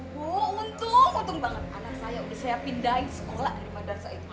bu untung untung banget anak saya udah siap pindahin sekolah dari madrasah itu